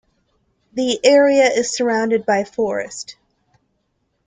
The area is surrounded by a forest.